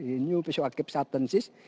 ini peswakib satensis